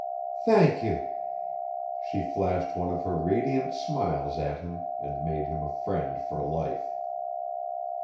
"Thank you." She flashed one of her radiant smiles at him and made him a friend for life.